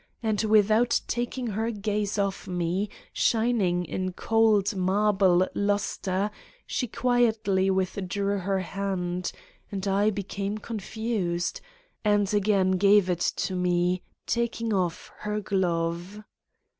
And without taking her gaze off me, shining in cold, marble luster, she quietly withdrew her hand and I became confused and again gave it to me, taking off her glove.